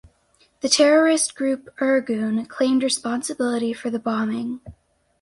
The terrorist group Irgun claimed responsibility for the bombing.